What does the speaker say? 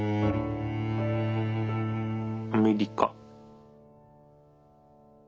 アメリカ。